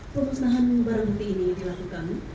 pemusnahan barang bukti ini dilakukan